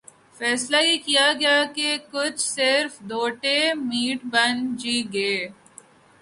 فیصلہ یہ کیا گیا کہہ صرف دو ڈے میٹھ بن ج گے